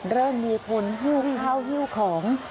เริ่มมีคนหิ้วเข้าฮิ้วของ